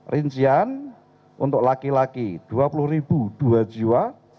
rincian untuk laki laki dua puluh dua jiwa